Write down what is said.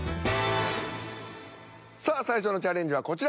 さあ最初のチャレンジはこちら。